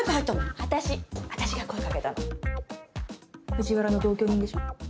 藤原の同居人でしょ？